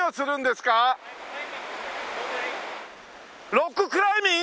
ロッククライミング？